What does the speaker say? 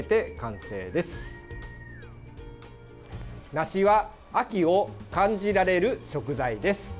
梨は、秋を感じられる食材です。